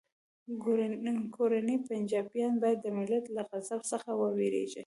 کورني پنجابیان باید د ملت له غضب څخه وویریږي